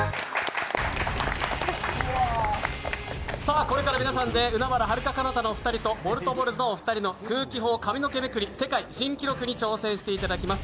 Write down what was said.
これから皆さんで海原はるか・かなたのお二人とボルトボルズのお二人の空気砲髪の毛めくり世界新記録に挑戦していただきます。